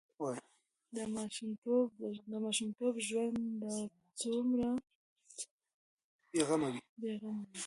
د ماشومتوب ژوند څومره بې غمه وي.